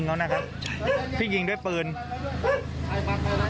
เหมือนบุญกุลรายงยวดในสำหรับในปริศนิยห์